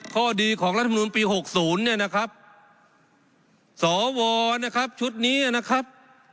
ข้อดีของรัฐมนุนปี๖๐เนี่ยนะครับสวนะครับชุดนี้นะครับ